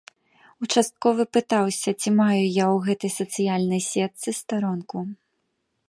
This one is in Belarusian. Участковы пытаўся, ці маю я ў гэтай сацыяльнай сетцы старонку.